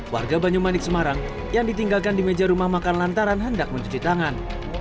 warga banyumanik semarang yang ditinggalkan di meja rumah makan lantaran hendak mencuci tangan